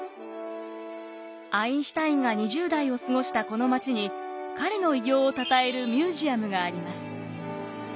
アインシュタインが２０代を過ごしたこの街に彼の偉業をたたえるミュージアムがあります。